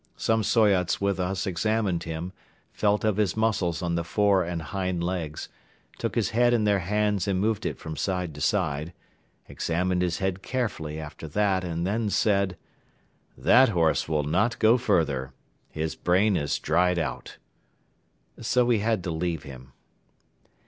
Some Soyots with us examined him, felt of his muscles on the fore and hind legs, took his head in their hands and moved it from side to side, examined his head carefully after that and then said: "That horse will not go further. His brain is dried out." So we had to leave him.